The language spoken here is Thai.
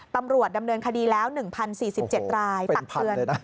ปำรวจดำเนินคดีแล้ว๑๐๔๗รายตักเตือนโอ้โฮเป็นพันเลยนะ